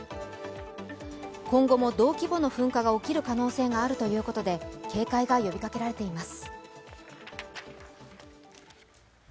今後も同規模の噴火が起きる可能性があるということで、警戒が呼びかけられています。